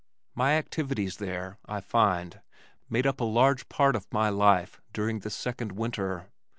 My activities there, I find, made up a large part of my life during this second winter.